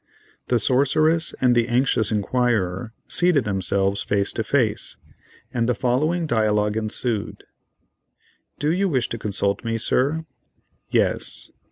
The sorceress and the anxious inquirer seated themselves face to face, and the following dialogue ensued: "Do you wish to consult me, Sir?" "Yes."